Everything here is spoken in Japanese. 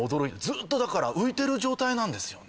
ずっとだから浮いてる状態なんですよね。